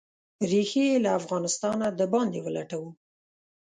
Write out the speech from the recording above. ریښې یې له افغانستانه د باندې ولټوو.